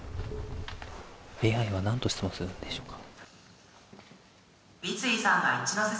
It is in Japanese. ＡＩは何と質問するんでしょうか。